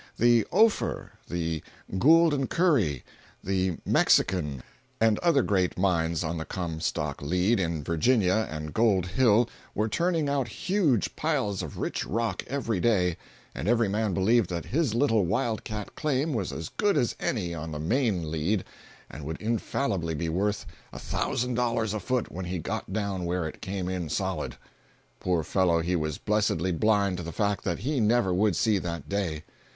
The "Ophir," the "Gould & Curry," the "Mexican," and other great mines on the Comstock lead in Virginia and Gold Hill were turning out huge piles of rich rock every day, and every man believed that his little wild cat claim was as good as any on the "main lead" and would infallibly be worth a thousand dollars a foot when he "got down where it came in solid." Poor fellow, he was blessedly blind to the fact that he never would see that day.